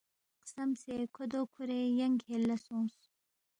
خسمسے کھو دو کُھورے ینگ کھیل لہ سونگس